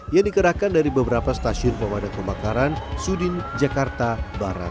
yang dikerahkan dari beberapa stasiun pemadam kebakaran sudin jakarta barat